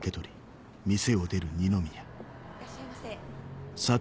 いらっしゃいませ。